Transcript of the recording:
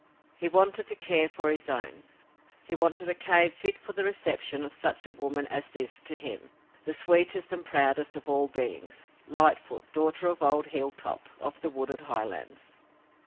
He wanted to care for his own. He wanted a cave fit for the reception of such a woman as this, to him, the sweetest and proudest of all beings, Lightfoot, daughter of old Hilltop, of the wooded highlands.